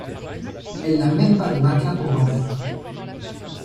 Elle n'a même pas de matelas pour dormir.